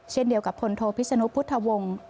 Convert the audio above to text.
เช่นเดียวกับพลโทพิศนุพุทธวงศ์